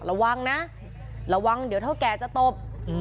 ระวังนะระวังเดี๋ยวเท่าแก่จะตบ